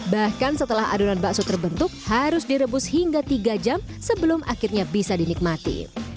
bahkan setelah adonan bakso terbentuk harus direbus hingga tiga jam sebelum akhirnya bisa dinikmati